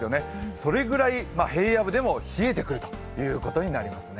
それぐらい平野部でも冷えてくることになりますね。